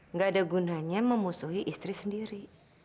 nggak ada gunanya memusuhi istri sendiri